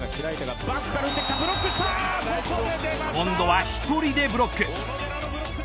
今度は１人でブロック。